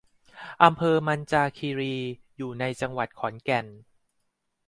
อำเภอมัญจาคีรี อยู่ในจังหวัดขอนแก่น